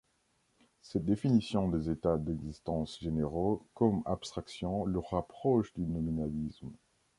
Cette définition des états d'existence généraux comme abstractions le rapproche du nominalisme.